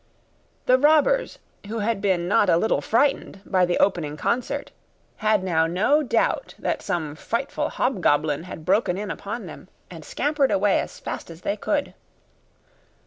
The robbers, who had been not a little frightened by the opening concert, had now no doubt that some frightful hobgoblin had broken in upon them, and scampered away as fast as they could.